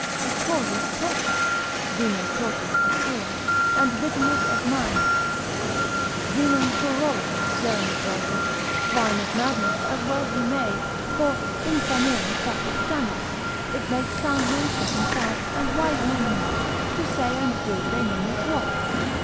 it causeth torture, (vino tortus et ira) and bitterness of mind, Sirac. 31. 21. Vinum furoris, Jeremy calls it, 15. cap. wine of madness, as well he may, for insanire facit sanos, it makes sound men sick and sad, and wise men mad, to say and do they know not what.